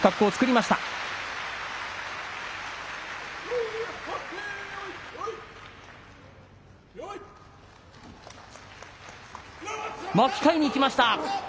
まき替えにいきました。